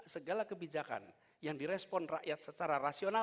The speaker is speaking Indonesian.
segala kebijakan yang direspon rakyat secara rasional